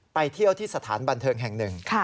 ไปเที่ยวที่สถานบันเทิงแห่งหนึ่ง